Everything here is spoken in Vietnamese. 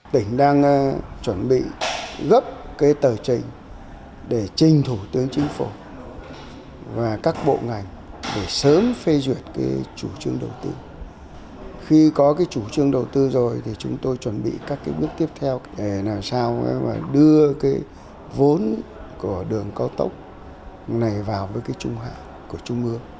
tỉnh đang chuẩn bị gấp cái tờ trình để trinh thủ tướng chính phủ